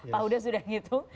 pak uda sudah ngitung